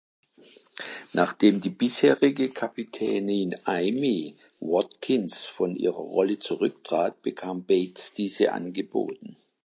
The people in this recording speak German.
Nachdem die bisherige Kapitänin Aimee Watkins von ihrer Rolle zurücktrat bekam Bates diese angeboten.